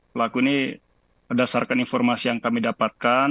pelaku ini berdasarkan informasi yang kami dapatkan